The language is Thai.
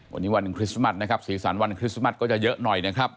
วันนี้วันหนึ่งคริสต์มัสนะครับสีสันวันคริสต์มัสก็จะเยอะหน่อยนะครับ